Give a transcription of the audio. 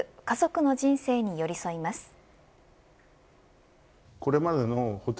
家族の人生に寄り添います。